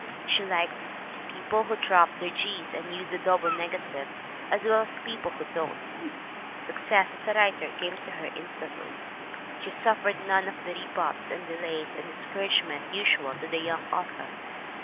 She likes "people who drop their g's and use the double negative, as well as people who don't." Success as a writer came to her instantly. She suf fered none of the rebuffs and delays and discourage ments usual to the young author.